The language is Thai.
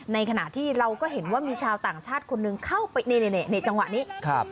ในขณะที่เราก็เห็นว่ามีชาวต่างชาติคนนึงเข้าไปในจังหวะนี้